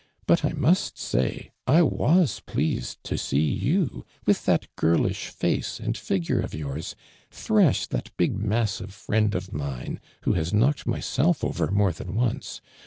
ut I must say I was pleased to see you, with that girlish face and figure of yours, thrash that big ma.ssive friend of mine who has knocked myself over more than once.